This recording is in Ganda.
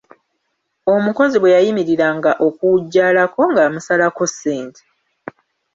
Omukozi bwe yayimiriranga okuwujjaalako, ng'amusalako ssente!